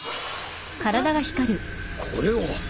これは。